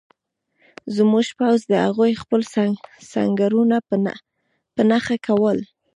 زموږ پوځ د هغوی خپل سنګرونه په نښه کول